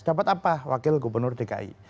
dapat apa wakil gubernur dki